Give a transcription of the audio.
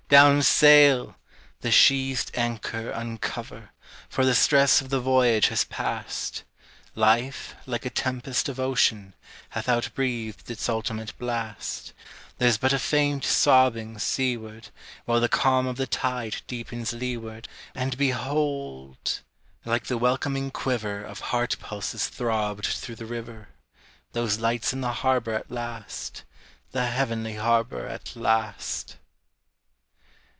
Down sail! the sheathed anchor uncover, For the stress of the voyage has passed: Life, like a tempest of ocean, Hath outbreathed its ultimate blast: There's but a faint sobbing seaward, While the calm of the tide deepens leeward; And behold! like the welcoming quiver Of heart pulses throbbed through the river, Those lights in the harbor at last, The heavenly harbor at last!